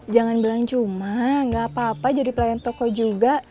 jangan bilang cuma gak apa apa jadi pelayan toko juga